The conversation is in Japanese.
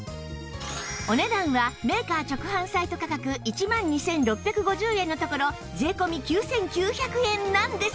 お値段はメーカー直販サイト価格１万２６５０円のところ税込９９００円なんですが